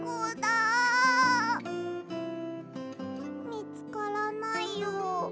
みつからないよ。